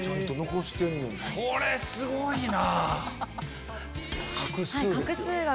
これすごいな。